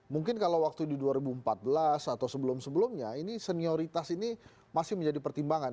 mungkin kalau waktu di dua ribu empat belas atau sebelum sebelumnya ini senioritas ini masih menjadi pertimbangan